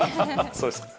そうですか。